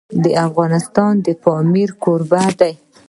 افغانستان د پامیر کوربه دی.